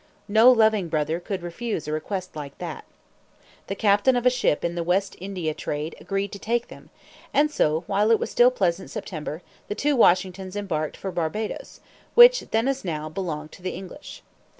No loving brother could refuse a request like that. The captain of a ship in the West India trade agreed to take them; and so, while it was still pleasant September, the two Washingtons embarked for Barbadoes, which, then as now, belonged to the English.